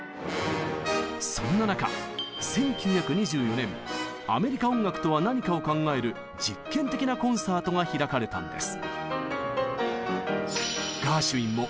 そんな中１９２４年「アメリカ音楽とは何か」を考える実験的なコンサートが開かれたんです。